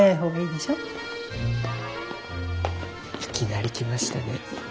いきなり来ましたね。